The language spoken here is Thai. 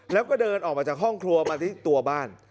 แล้วก็เดินออกมาจากห้องครัวมาที่ตัวบ้าน